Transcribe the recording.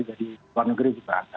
jadi di luar negeri juga ada